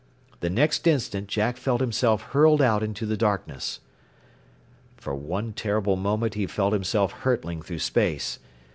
The next instant Jack felt himself hurled out into the darkness. For one terrible moment he felt himself hurtling through space.